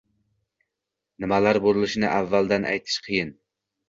Nimalar bo‘lishini avvaldan aytish qiyin.